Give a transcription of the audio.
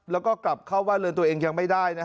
แล้วก็กลับเข้าบ้านเรือนตัวเองยังไม่ได้